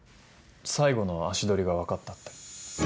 最後の足取りが分かったって。